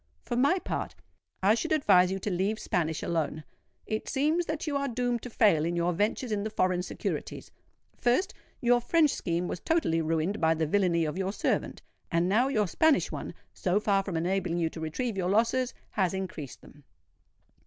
For my part, I should advise you to leave Spanish alone. It seems that you are doomed to fail in your ventures in the foreign securities:—first, your French scheme was totally ruined by the villany of your servant; and now your Spanish one, so far from enabling you to retrieve your losses, has increased them."